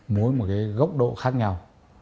mỗi một cái gốc độ khác nhau